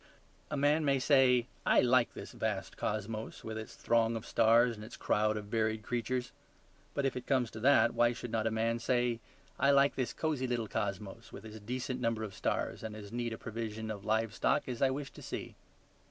A man may say, "I like this vast cosmos, with its throng of stars and its crowd of varied creatures." But if it comes to that why should not a man say, "I like this cosy little cosmos, with its decent number of stars and as neat a provision of live stock as I wish to see"?